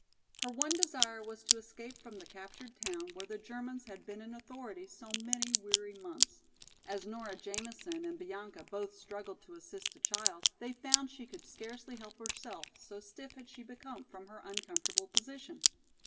Her one desire was to escape from the captured town where the Germans had been in authority so many weary months. As Nora Jamison and Bianca both struggled to assist the child, they found she could scarcely help herself, so stiff had she become from her uncomfortable position.